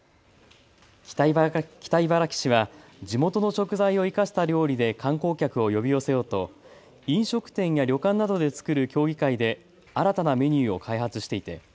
北茨城市は地元の食材を生かした料理で観光客を呼び寄せようと飲食店や旅館などで作る協議会で新たなメニューを開発していて